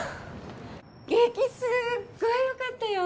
劇すっごいよかったよ